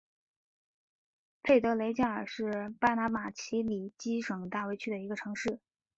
佩德雷加尔是巴拿马奇里基省大卫区的一个城市。